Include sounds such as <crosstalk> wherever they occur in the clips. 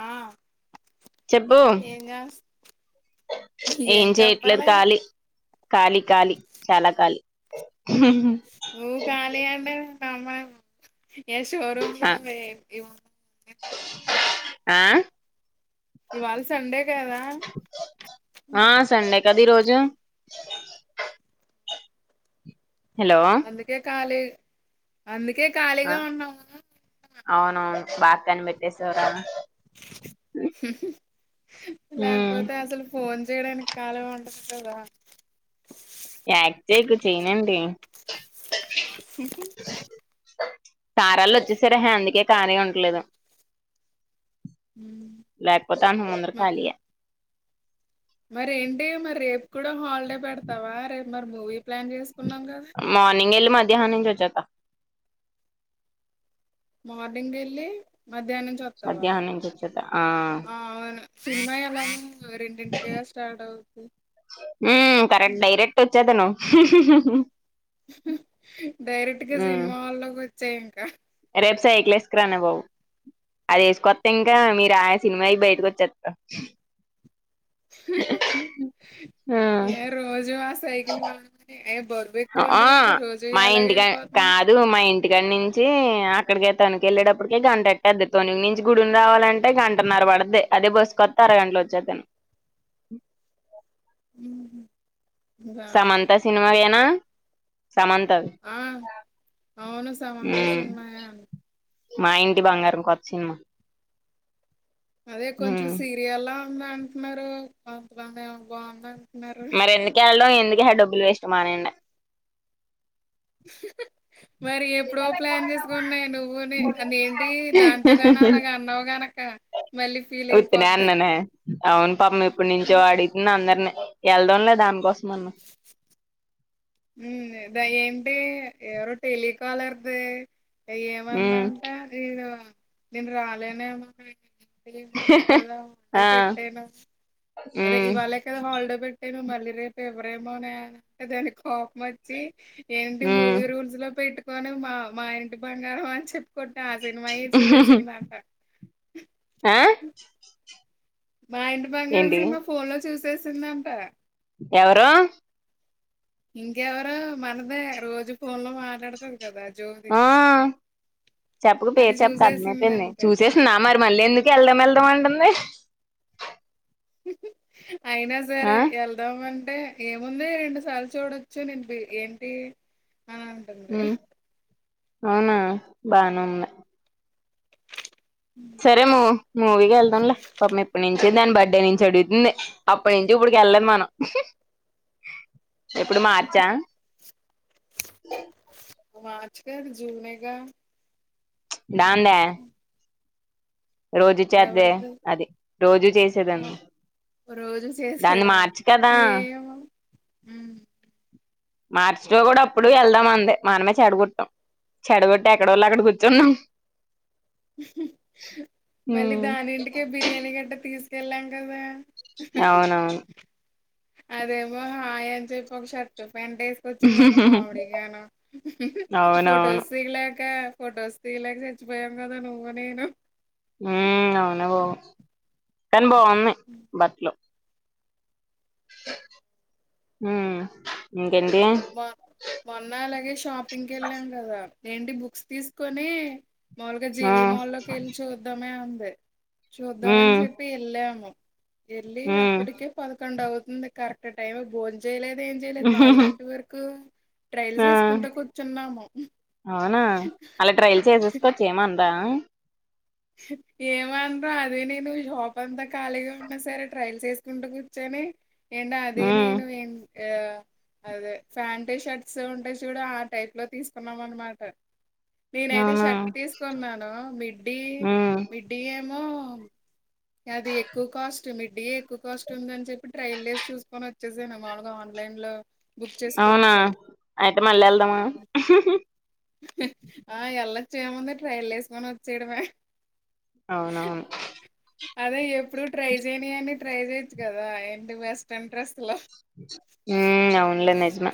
ఆ చెప్పు ఏం చేస్ ఏం చెయ్యట్లేదు కాళీ కాళీ కాళీ చాలా కాళీ నువ్వు ఖాళీ ఏంటే కమ్మ ఇక షో రూమ్ లో ఆ మే ఇవ్వు ఆ ఇవాళ సండే కదా గది రోజు అందుకే ఖాళీ అందుకే ఆ ఖాళీగా ఉన్నాము అవునవును బా కనిపెట్టేసావ్ రా హు హు ఉమ్ లేకపోతే అసలు ఫోన్ చేయడానికి <inaudible> ఏం దా యాక్ట్ చేయకు చేయనండి ఉహూ తారాళ్ళు వచ్చేసారహా అందుకే ఖాళీగా ఉంటలేదు లేకపోతే ఆయన ముందర మ కాలియే మరి ఏంటి మరి రేపు కూడా హాలిడే పెడతావా రేపు మరి మూవీ ప్లాన్ చేసుకున్నాం కదా ఇగ ఆన్నించొచ్చాక మార్నింగ్ డేల్లీ మధ్యాహ్నం చూస్తావా మధ్యాహ్నం నుంచి వచ్చేత్తా ఆ ఆ అవును సినిమా ఎలా ఉంది రెంటింటికె కదా స్టార్ట్ అవుతు హుమ్మ్ కరెక్ట్ డైరెక్ట్ వచ్చేదను డైరెక్ట్గా ఉమ్ సినిమా హాల్లోకి వచ్చాయి ఇంకా రేపు సైకిల్ ఏసుకు రానియవ్ అది వేసుకొత్తే ఇంగా మీరు ఆ సినిమా బయిటికొచ్చేత ఆ ఏ రోజూ ఆ సైకిల్ వాళ్ళనే ఆ మా ఇంటికా వెళ్ళిపోతున్నాం కాదు మా ఇంటి నుంచి అక్కడికే తనికి వెళ్ళేటప్పటికే గంట ఎట్టద తుని నుంచి గుడిని రావాలంటే గంటనర పడద్ది అదే బస్ కొత్తే అరగంటలో వచ్చేతాను ఉహా సమంత సినిమా ఏనా సమంతావి ఆ అవును సమంత హ్మ్ సినిమాయే అన్ మా ఇంటి బంగారం కొత్త సినిమా అదే కొంచెం ఉమ్ సీరియల్లా ఉంది అంటున్నారు అ బా బాగుంద మరి ఎందుకయ్యాల్నో ఎందుకె ఆ డబ్బులు వేస్ట్ మానేయండి <inaudible> మరి ఎప్పుడో ప్లాన్ చేసుకున్నాయి నువ్వునే అది ఎంటి దాంతో నా అలాగ అన్నావు గాన ఉత్తినే అన్ననే అవును పాపం ఎప్పుడు నుంచో వాడిని నీ అందరిని వెళ్దం లే దానికోసం అన్న ఉ ద ఏంటి ఏవ రో టెలికాలర్దే ఏమన్నా ఉమ్ అంటే ఇడు నేను రాలేనేమో ఉండే కదా ఉండే ఆ పెట్టేనా అదే ఉమ్ ఇవాలే కదా ఆల్డే పెట్టాను మళ్ళీ రేపు ఎవరేమోనే దేనికి కోపం వచ్చి ఏంటి ఉమ్ మూవీ రూల్స్ లో పెట్టుకోని మా మా ఇంటి బంగారం అని చెప్ కొట్ట ఆ సినిమా ఈ చూసేసింద అంట ఆ మా ఇంటి బంగారం ఏంటి సినిమా ఫోన్ లో చూసేసిందంట ఎవరు ఇంకెవరు మనదే రోజు ఫోన్ లో మాట్లాడుతది కదా జ్యోతి ఆ చెప్పకు పేరు అది చెప్పకు అర్థమయిపోయింది చూసేసిందంట చూసేసిన మరి మళ్ళీ ఎందుకు వెళ్దాం వెళ్దాం అంటుంది <inaudible> అయినా ఆ సరే ఎల్దామని అంటే ఏముంది రెండు సార్లు చూడొచ్చు నేను ఏంటి అ ఉంటుంది అవున బానే ఉంది సరే మూ మూవీకి వెళ్దాంలే పాప ఎప్పుడ్నించి దాని బర్త్ అడే నుంచి అడుగుతుంది అప్పటి నుంచి ఇప్పుడికి వెళ్ళదు మనం ఎప్పుడు మార్చా మార్చ్ కాదు జునేగా దాందె రోజు చేద్దే ఎవరిది అది రోజూ చేసేదాన్ ఆ, రోజు చేసేదా ఏమో మార్చిలో కూడ అప్పుడు వెళ్దాం అంది మనమే చెడగొట్టాం చెడ కొట్టి ఎక్కడోళ్ళు అక్కడ కూర్చున్నాం మళ్ళీ దానింటికే బిర్యానీ గడ్డ తీసుకెళ్ళాం క దె అవునవును అదేమో హాయ్ అని చెప్పి ఒక షర్ట్ పెంటెసికొచ్చిన్నం కామెడీ గాను అవునవును ఫొటోస్ దిగలేక్ ఇంకా ఫొటోస్ తీయలేక చచ్చిపోయాం కదా నువ్వు నేను ఉ అవును కాని బాగున్నాయ్ బట్లు ఉమ్ ఇంకేంటి మ మొన్న అలాగే షాపింగ్ వెళ్ళాం కదా ఏంటి బుక్స్ తీసుకొని మాములుగా ఆ జీవి మాల్లోకి వెళ్ళి చూద్దామే అంది చూద్దామన్ ఉమ్ చెప్పి వెళ్ళాము వెళ్లి ఉమ్ అప్పటికే పదకొండు అవుతుంది కరెక్ట్ టైం భోన్జ్ చేయలేదు ఏం చేయలేదు నాలుగి ఇంటి వరకు ట్రయల్స్ వేసుకుంటూ కూర్చున్నాము అవున అలా ట్రైల్ చేసేసుకొచ్చ ఏమందా ఏమన్నారు అదే నేను హాప్ అంత ఖాళీగా ఉన్నా సరే ట్రయల్స్ చేసుకుంటూ కూర్చాను ని ఏంట ఉమ్ అదేనేను అదే ఫ్యాంట్ షర్ట్స్ ఉంటే చూడు ఆ టైప్ లో తీసుకున్నాం అనమాట నేనైతే అవునా షర్ట్ తీసుకున్నాను మిడ్డీ ఉమ్ మిడ్డీ ఏమో అది ఎక్కువ కాస్ట్ మిడ్ డి ఎక్కువ కాస్ట్ ఉంది అని చెప్పి ట్రైల్ లేస్ చూసుకొని వచ్చేసాను మాములుగా ఆన్లైన్ లో బుక్ అవున చేసుకోవచ్చని అయితే మళ్ళీ వెళ్దామ ఆ ఎల్లొచ్చు ఏముంది ట్రైల్ వేసుకొని వచ్చేయడమే అవునవున్ అదే ఎప్పుడు ట్రై చేయనియన్ని ట్రై చేయొచ్చు కదా ఏంటి వెస్ట్రన్ డ్రెస్ లో ఉమ్ అవున్లే నిజమే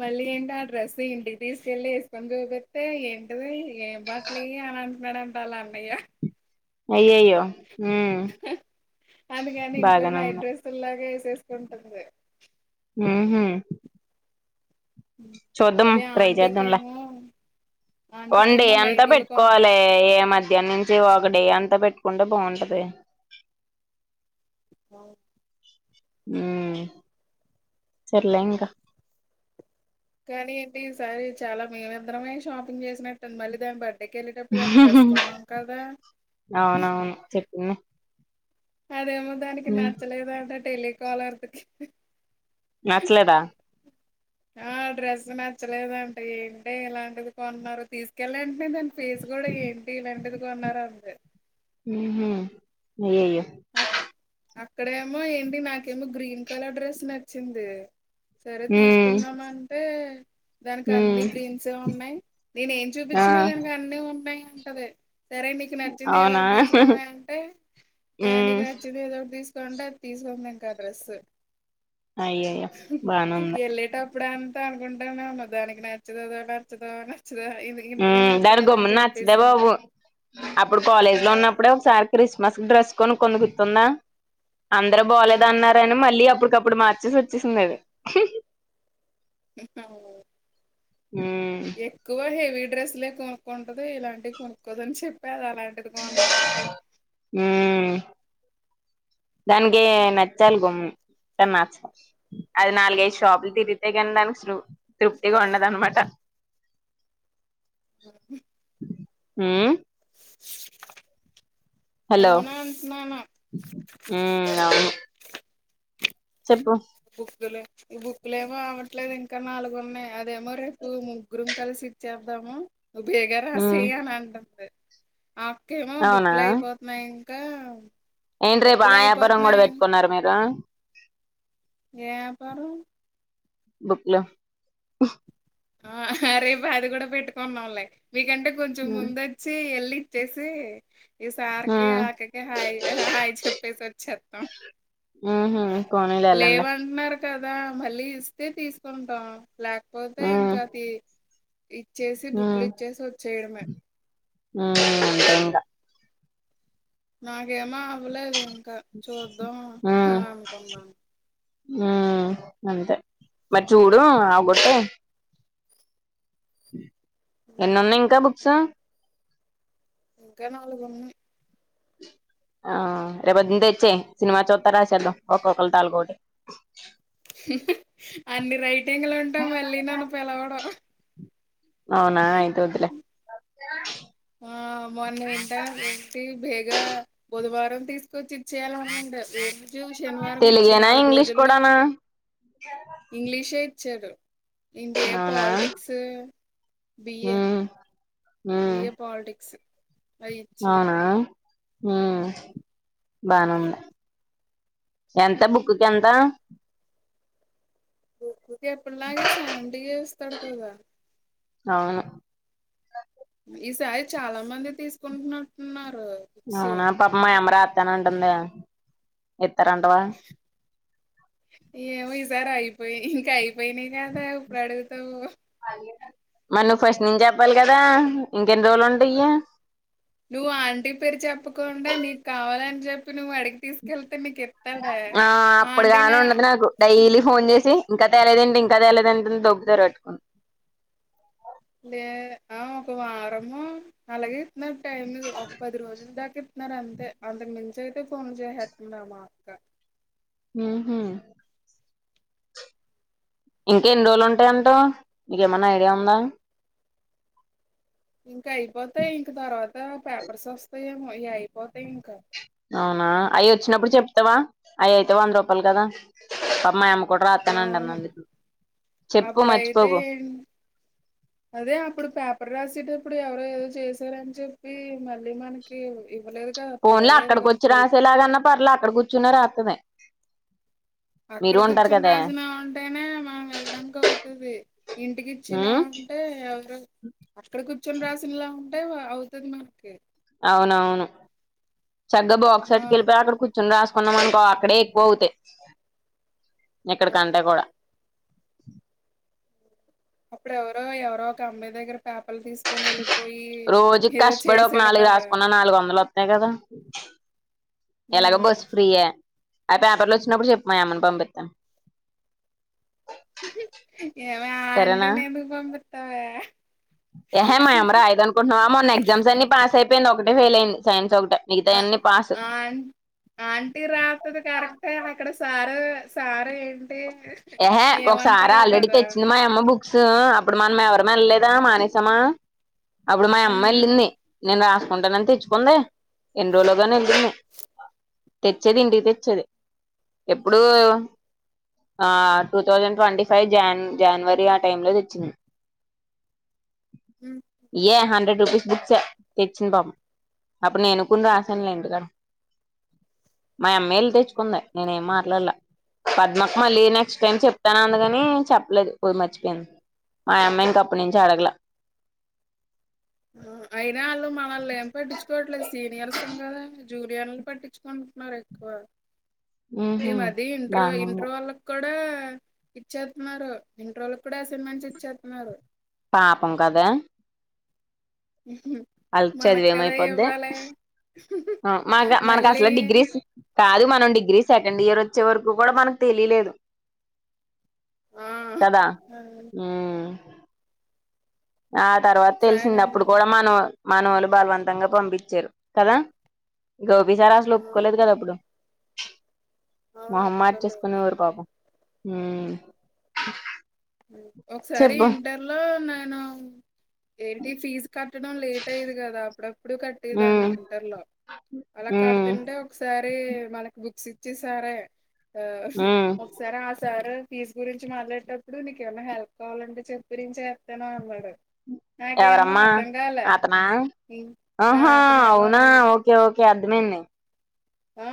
మళ్ళీ ఏంటి ఆ డ్రెస్ ఇంటికి తీసుకెళ్లి ఏసుకొని చూపిస్తే ఏంటది ఏం బట్టలు అంటున్నాడంట వాళ్ళ అన్నయ్య అయ్యయ్యో బాగా నె ఉంది చేసుకుంటుంది ఊహు మళ్ళీ అ ఆంటీకెమో వండి ఎంత పెట్టుకోవాలె ఏ మధ్య మధ్యాహ్నం నుంచి ఒకటి అంతా పెట్టుకుంటే బాగుంటది అవును ఉహ్ సర్లే ఇంక కానీ ఏంటి ఈసారి చాల మేమిద్దరమే షాపింగ్ చేసినట్టుండి మళ్ళీ దాన్ని బట్ రైడెకి వెళ్ళేటప్పుడు దాన్ని డ్రస్ కోన్నాం కదా అవునవును చెప్పింది అదేమో దానికి ఉమ్ నచ్చలేదంట టెలి కాలర్కి నచ్చలేదా ఆ డ్రెస్ నచ్చలేదంటడి ఏంటి ఇలాంటిది కొన్నారు తీసుకెళ్ళండి అంటే దాని పేస్ కూడా ఏంటి ఇలాంటిది కొన్నార అంతే ఏ అక్కడేమో ఏంటి నాకేమో గ్రీన్ కలర్ డ్రెస్ నచ్చింది సరే ఉమ్ తీసుకుందాం అంటే దానికి ఉమ్ అన్ని గ్రీన్స్ ఉన్నాయి నేను ఏం ఆ చూపించినా దానికి అన్నిీ ఉన్నాయి అంటది సరే నీకు నచ్చింది ఏదో అవునా ఒకటి తీసుకోమ అంటే నీకు ఉమ్ నచ్చింది ఏదోటి తీ తీసుకుం డ్రస్ అయ్యయ్యో బానే ఉంది వెళ్ళేటపు ఇప్పుడుంతా అనుకుంటాన్నామ దానికి నచ్చతుదో నచ్చదాో అని దాని గమ్మున నచ్చదా చెప్పేసింది బాబు అప్పుడు కాలేజ్ లో ఉన్నప్పుడే ఒకసారి క్రిస్మస్ డ్రెస్ కొని కొందుకుతుందా అందరు ఆ బాలేద అన్నారని మళ్ళీ అప్పుడు అప్పుడుమార్చేసి వచ్చేసిందిది ఉమ్ ఎకువ హెవీ డ్రెస్లే కొనుక్కుంటదు ఇలాంటివి కొనుక్కోదు అని చెప్పి అది అలాంటి అంటన్నది దానినికి నచ్చాలి గమ్ము నచ్చ అది నాలుగైదు షాపులు తిరిగితే కానీ దానికిృ తృప్తిగా ఉండదునమాట ఆ హ <inaudible> హలోను అవునా అంటున్నాను బుక్కులు ఈ బుక్కులుమో అవట్లేదు ఇంకా నాలుగున్నాయి అదేమో రేపు ముగ్గురుం కలిసి ఇచ్చేద్దాము నువ్వు ఉమ్ బేగరాసేయ అని అంటుంది అక్కేమో అవునా బుక్లు అయిపోతున్నాయి ఇంకా ఏంటి రేపు బుక్కులు ఆయాపురం కూడా అయిపోతున్నాయి పెట్టుకున్నారు మీరు ఏ పేరు బుక్ లో ఆ రేపు అది కూడా పెట్టుకున్నాంలే మీకంటే కొంచెం ఉమ్ ముంద వచ్చి వెళ్ళి వచ్చేసి ఈ సార్కి ఆకకి హాయి్ హాయి్ చెప్పేసి వచ్చిస్తాం ఉ కొనియ్యలేండి కదా మళ్ళీ ఇస్తే తీసుకుంటాం లేకపోతే ఉమ్ ఇంకా తీ ఇచ్చేసి బుక్లు ఇచ్చేసి వచ్చేయడమే ఉ అంతే ఇకా నాకేమో అవ్వలేదు ఇంకా చూద్దాం అని అనుకున్నాాను ఉ అంతే మరి చూడు ఆగొట్టే ఎన్న ఉన్నాయి ఇంకా బుక్స్ ఇంకా నాలుగు ఉన్నాయి ఆ రేబంతచ్చే సినిమా చోతారశ ఒక్కలు తాాలుగటటి అన్ని రైట్ ఎంగలు ఉంటా మళ్ళీ నన్ను పిలవడం అవునా అయితే వద్దులే మార్ని వింటనే బేగా బుధవారం తీసుకొచ్చి ఇచ్చేయాలనండి రజు శనివారం ఇచ్చి తెలుగేనా నాలుగు ఇంగ్లీష్ రోజుల్లో కూడానా ఇంగ్లీషే ఇచ్చారు ఇడి పోాలిటిక్స్ ఆ ఏ్య పోాలిటిక్స్ అయిచ్చూరు హ బానుంది ఎంత బుక్కి ఎంత ఎప్పుటిలాగే సెవెంటీ ఇస్తాడు కదా అవును ఈసారి చాలా మంది తీసుకుంటున్నట్టున్నారు బుక్స్ అవునా పాపమ్ యమ్మ రాత్తాను అంటుందె ఇత్తరంటవా ఇత్తార అయిపొయ్ ఇంకా అయిపోయినాయి గదా ఇప్పుడు అడుగుతావు మళ్ళి నువ్ ఫస్ట్ నుంచి చెప్పాలి కదా ఇంకెన్ని రోజులు ఉంటయి నువ్వు ఆంటీ పేరు చెప్పకుండా నీకు కావాలని చెప్పి నువ్వు అడిగి తీసుకెళ్తే నీకు ఎ ఆ అప్పుడుగాని ఉండదు నాకు డైలీ ఫోన్ జేసి ఇంకా త్యాలేదేంటి ఇం కదాల్లంటుంది దోమ్ తెర గట్టుకుంద్ లే ఆ ఒక వారమొ అలాగే నాక్ టైమ్ ఒక పది రోజుల దాక స్తున్నారు అంతే అంతకు మించ అయితే ఫోన్ చేసేస్తున్నారు మా అక్క ఊహు ఇంకా ఎన్ని రోజులు ఉంటాయంటో మీకేమన్నా ఐడియా ఉందా, ఇంక అయిపోతాయ్ ఇంక తర్వాత పేపర్స్ వస్తాయేమో ఇగ అయిపో అవునా అయ్యో వచ్చినబ్బుడు చెప్తావా అవి అయితే వంద రూపాయలు కదా పాప్ము మా యమ్మ కూడా అవును రాస్తానంటాంది అందుకు చెప్పు అప్పుడైతే మర్చిపోకు అదే అప్పుడు పేపర్ రాస్ సేటప్పుడు ఎవరో ఏదో చేశారని చెప్పి మళ్ళీ మనకి ఇవ్వలేదు కదా ఫోన్లా పిలవలేదు కదా అక్కడకొచ్చి పొరుగు రాసే లాగన్నా పర్లా అక్కడ గూచ్చున్నా రాత్తది అక్కడ మీరు ఉంటారు గూచ్చుని కదా రాసినావంటేనే మనం వెళ్లడానికి అవుతది. ఇంటికిచ్చిలా ఉమ్ అంటే అక్కడ కూర్చొని రాసినలా అంటే అవుతది మనకి అవునవును చగ్గాబాక్సు ఆ అట్టికెళ్ళి పోయ్ అక్కడ కూచ్చొని రాస్ కున్నామనుకో అక్కడే ఎక్కువ అవుతాయ్ ఆ. ఇక్కడికంటే కూడా అప్పుడు ఎవరో ఎవరో ఒక అమ్మయి దగ్గర పేపర్లు తీసుకొని ఎళ్ళి రోజుకి కష్టపడి ఒక నాలుగు రాసుకున్న నాలుగు వందలు వత్తాయ్ కదా ఉమ్, ఎలాగొ ఉమ్. బస్ ఫ్రీ ఎ ఒ పేపర్లొచ్చినప్పుడు జెప్పు మా యమ్మని పంపిత్తాన్ ఏమే ఆ ఆంటి నెందుకు పంపిత్తొవే. ఏహే మా యమ్మ రాయదు అనుకుంటున్నావ మొన్న ఎగ్జామ్స్ అన్ని పాస్ అయిపోయింది ఒకటే ఫెయిల్ అయింది సైన్స్ ఒగ ఆ ఆన్ ఆ ఆంటీ రాత్తది కరెక్టే అక్కడ సారు సారే ఎం యహే ఒకసారి ఆల్రెడీ తెచ్చింది మా యమ్మ బుక్సు అబ్బుడు మా ఎవరమెళ్ళలేదా మానేసమా అబ్బుడు మా అమ్మ హ్మ్ ఎళ్ళింది నేన్ రాస్ కుంటనని తెచ్చుకుంది ఎన్ని రోజులుగానే ఎళ్ళింది. తెచ్చేది ఇంటికి తెచ్చేది ఎప్పుడూ ఆ two thousand twenty five John January ఆ టైం లో దెచ్చింది హ్మ్ ఇఏ ఆ హండ్రెడ్ రూపీస్ బిక్సే తెచ్చింది పాపమ్ అప్పుడు నేనుకూన రాశానులే మా యమ్మేఎళ్ళి తెచ్చుకుంది నేనేం మాట్లాల్ల పద్మక్ మళ్ళీ నెక్స్ట్ టైమ్ చెప్తాను అందుగని చెప్పలేదు పో మర్చిపోయింది మా యమ్మా ఇంకప్పనించి అడగల అయినా వాళ్ళు మావాల్ళు ఏం పట్టించుకోవట్లేదు సీనియర్సమ్ గదా. జూనియర్లుని పట్టించ్చుకుంటున్నారు ఎక్కువ ఈ ఉహు మది ఇంట్రు బానే ఉంది ఇంట్రు వాళ్ళక్ కూ డా ఇచ్చేత్తున్నారు ఇంటరోళ్ళకు కూడా అసైన్మెంట్స్ ఇచ్చేత్తున్నారు. పాపం కదా ఉహు వాళ్ళకి మనక్కదా ఇవ్వాలె మానక మనకసలే డిగ్రీస్ కాదు మనం డిగ్రీ సెకండ్ ఇయర్ వచ్చే వరకు కూడా మనకు తెలియలేదు ఆ కదా ఆ ఉ ఆ తర్వాత తెలిసింది ఒకసారి అప్పుడు కూడా మనం మానవులు బలవంతంగా పంపించారు కదా గోపి సార్ అసలు ఆ ఒప్పుకోలేదు కదా అప్పుడు అవును ఒప్పుకోలేదు. మొహమ్మార్చేసుకునే ఊరు బాబు ఒకసారి ఇంటర్ లో నేను ఏటి ఫీజు కట ట్ట లేట్ అయది కదా అప్పుడప్పుడు కట్టేదాన్ని ఉమ్ ఇంటర్ లో అలా ఉమ్ కడుంటే ఒకసారి పే వాళ్లకి బుక్స్ ఇచ్చే సారే ఉమ్ ఒకసారి ఆ సారు ఫీజ్ గురించి మాట్లాడేటప్పుడు నీకుమైన్నా హెల్ప్ కావాలంటే చెప్పరించి చెప్స్ ను అన్నాడు నాకేమో ఎవరమ్మా అర్థం కాలే అతనా ఉం, ఆ ఆహా అతనే అవునా మనం ఓకే ఓకే అర్థమైంది ఆ